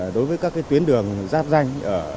đối với các tuyến đường giáp danh